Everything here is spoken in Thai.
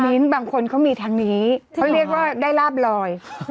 บางคนเขามีทางนี้เขาเรียกว่าได้ลาบลอย